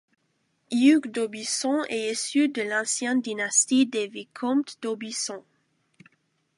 Hugues d'Aubusson est issu de l'ancienne dynastie des vicomtes d'Aubusson.